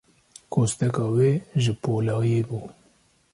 Kosteka wê, ji polayê bû.